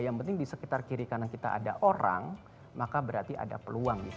yang penting di sekitar kiri kanan kita ada orang maka berarti ada peluang